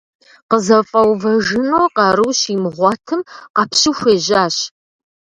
КъызэфӀэувэжыну къару щимыгъуэтым, къэпщу хуежьащ.